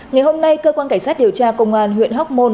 ngày hôm nay cơ quan cảnh sát điều tra công an huyện hóc môn